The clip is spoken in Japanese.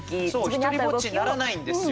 独りぼっちにならないんですよ。